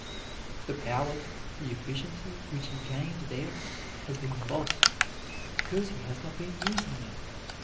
The power, the efficiency which he gained there has been lost because he has not been using them.